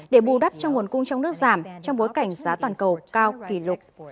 để bù đắp cho nguồn cung trong nước giảm trong bối cảnh giá toàn cầu cao kỷ lục